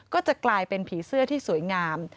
ก็จะกลายเป็นผีเสื้อที่สวยงาม